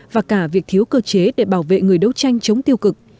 và cả việc thiếu cơ chế để bảo vệ người đấu tranh chống tiêu cực